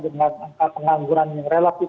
dengan angka pengangguran yang relatif